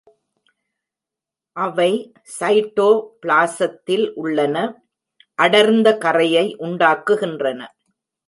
அவை சைட்டோபிளாசத்தில் உள்ளன, அடர்ந்த கறையை உண்டாக்குகின்றன.